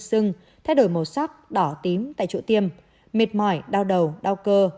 sưng thay đổi màu sắc đỏ tím tại chỗ tiêm mệt mỏi đau đầu đau cơ